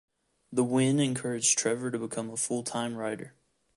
The win encouraged Trevor to become a full-time writer.